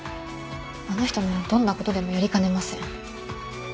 あの人ならどんな事でもやりかねません。